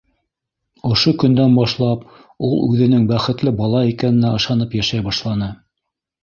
Ошо көндән башлап ул үҙенең бәхетле бала икәненә ышанып йәшәй башланы.